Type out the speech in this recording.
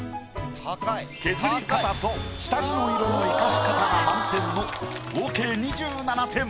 削り方と下地の色の生かし方が満点の合計２７点。